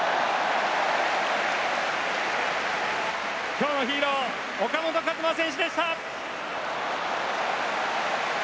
今日のヒーロー、岡本和真選手でした。